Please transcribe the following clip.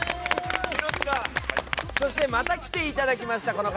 そして、また来ていただきました。